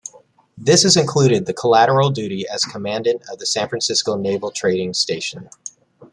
This included the collateral duty as commandant of the San Francisco Naval Training Station.